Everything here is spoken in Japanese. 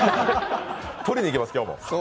とりにいきます、今日も。